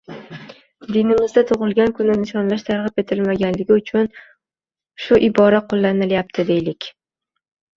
Dinimizda tugʻilgan kunni nishonlash targʻib etilmagani uchun shu ibora qoʻllanyapti, deylik